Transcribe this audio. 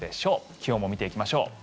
気温も見ていきましょう。